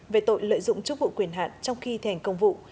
về tội lợi dụng chức vụ quyền hạn trong khi thành công vụ